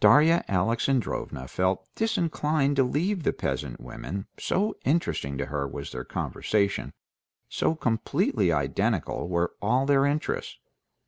Darya Alexandrovna felt disinclined to leave the peasant women, so interesting to her was their conversation, so completely identical were all their interests.